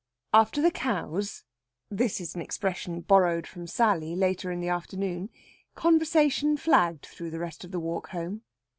After the cows this is an expression borrowed from Sally, later in the afternoon conversation flagged through the rest of the walk home.